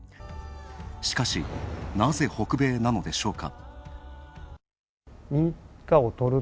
しかし、なぜ北米なのでしょうか。